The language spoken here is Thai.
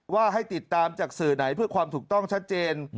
ว่าให้ติดตามจากสื่อไหนเพื่อความถูกต้องชัดเจน